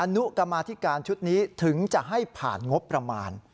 นุกรรมาธิการชุดนี้ถึงจะให้ผ่านงบประมาณ